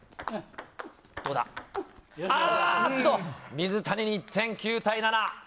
水谷に１点、９対７。